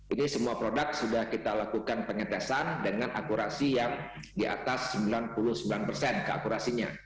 ini semua produk sudah kita lakukan pengetesan dengan akurasi yang di atas sembilan puluh sembilan persen keakurasinya